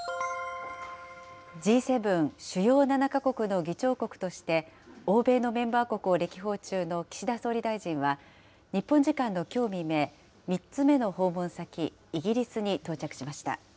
Ｇ７・主要７か国の議長国として、欧米のメンバー国を歴訪中の岸田総理大臣は、日本時間のきょう未明、３つ目の訪問先、イギリスに到着しました。